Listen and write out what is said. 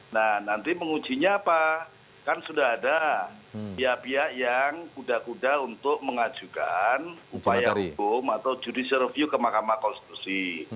nah nanti mengujinya apa kan sudah ada pihak pihak yang kuda kuda untuk mengajukan upaya hukum atau judicial review ke mahkamah konstitusi